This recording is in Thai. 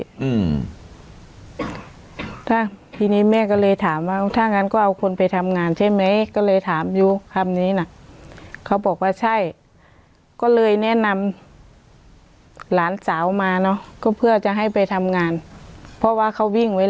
อืมถ้าทีนี้แม่ก็เลยถามว่าถ้างั้นก็เอาคนไปทำงานใช่ไหมก็เลยถามอยู่คำนี้น่ะเขาบอกว่าใช่ก็เลยแนะนำหลานสาวมาเนอะก็เพื่อจะให้ไปทำงานเพราะว่าเขาวิ่งไว้